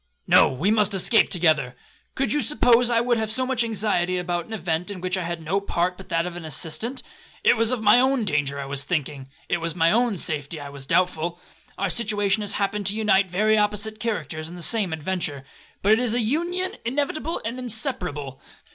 'No, we must escape together. Could you suppose I would have so much anxiety about an event, in which I had no part but that of an assistant? It was of my own danger I was thinking,—it was of my own safety I was doubtful. Our situation has happened to unite very opposite characters in the same adventure, but it is an union inevitable and inseparable.